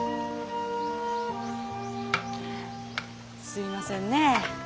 すいませんねえ。